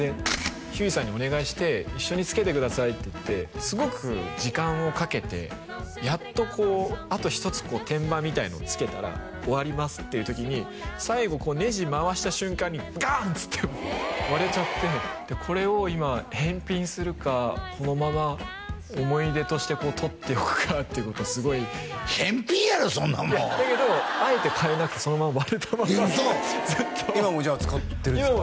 ひゅーいさんにお願いして一緒につけてくださいって言ってすごく時間をかけてやっとこうあと一つ天板みたいのをつけたら終わりますっていうときに最後ネジ回した瞬間にガーンっつって割れちゃってこれを今返品するかこのまま思い出としてとっておくかっていうことを返品やろそんなもんだけどあえてかえなくてそのまま割れたままずっと今も使ってるんですか